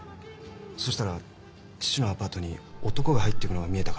そしたら父のアパートに男が入ってくのが見えたから。